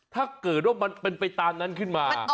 ถ้าเกิดว่ามันเป็นไปตามนั้นขึ้นมา